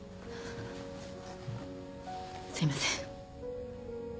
すいません。